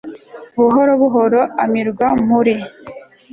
buhoro buhoro amirwa muri